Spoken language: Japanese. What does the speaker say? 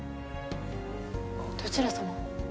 どちら様？